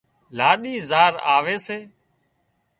لاڏِي زار آوي سي